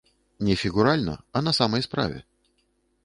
Не фігуральна, а на самай справе.